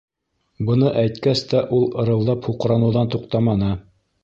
— Быны әйткәс тә ул ырылдап һуҡраныуҙан туҡтаманы.